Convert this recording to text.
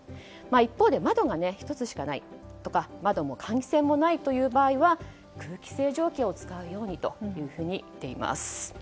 一方で窓が１つしかないとか窓も換気扇もないという時は空気清浄機を使うようにといっています。